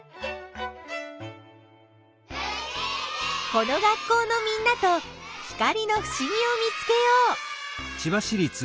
この学校のみんなと光のふしぎを見つけよう！